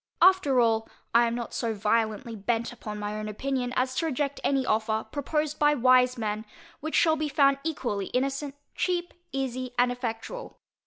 After all, I am not so violently bent upon my own opinion, as to reject any offer, proposed by wise men, which shall be found equally innocent, cheap, easy, and effectual.